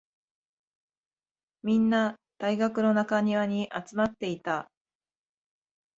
みんな、大学の中庭に集まっていた。